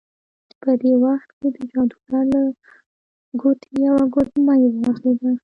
په دې وخت کې د جادوګر له ګوتې یوه ګوتمۍ وغورځیده.